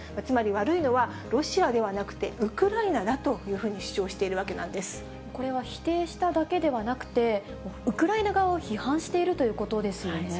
つまり悪いのは、ロシアではなくて、ウクライナだというふうに主これは否定しただけではなくて、ウクライナ側を批判しているということですよね？